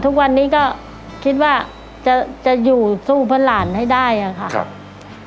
ทุกวันนี้ก็คิดว่าจะอยู่สู้เพื่อหลานให้ได้อะค่ะครับ